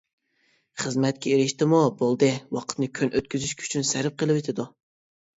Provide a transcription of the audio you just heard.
خىزمەتكە ئېرىشتىمۇ بولدى، ۋاقتىنى كۈن ئۆتكۈزۈش ئۈچۈن سەرپ قىلىۋېتىدۇ.